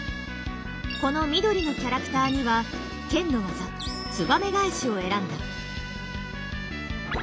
この緑のキャラクターには剣の技「ツバメ返し」を選んだ。